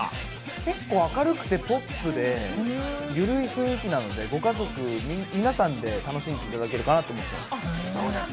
結構明るくてポップで緩い雰囲気なので、皆さん楽しんでいただけるかなと思います。